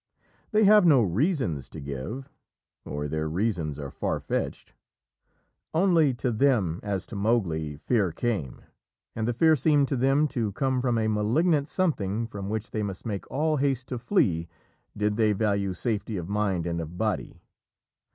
They have no reasons to give or their reasons are far fetched. Only, to them as to Mowgli, Fear came, and the fear seemed to them to come from a malignant something from which they must make all haste to flee, did they value safety of mind and of body.